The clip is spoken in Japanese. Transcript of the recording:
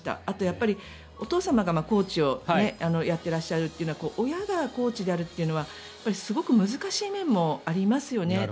あと、やっぱりお父様がコーチをやっていらっしゃるというのは親がコーチであるというのはすごく難しい面もありますよね。